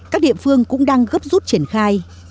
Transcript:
các địa phương cũng đang gấp rút triển khai